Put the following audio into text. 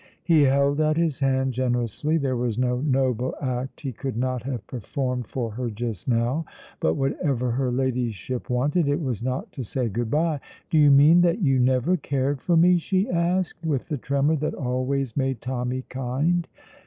He held out his hand generously (there was no noble act he could not have performed for her just now), but, whatever her Ladyship wanted, it was not to say good bye. "Do you mean that you never cared for me?" she asked, with the tremor that always made Tommy kind.